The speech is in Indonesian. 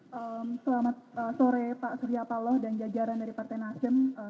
selamat sore pak surya paloh dan jajaran dari partai nasdem